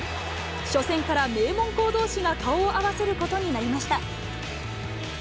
初戦から名門校どうしが顔を合わせることになりました。